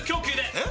えっ？